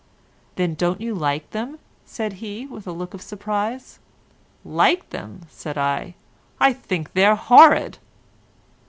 "Then don't you like them?" said he, with a look of surprise. "Like them!" said I, "I think they're horrid."